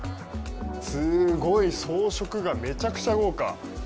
すごい、装飾がめちゃくちゃ豪華。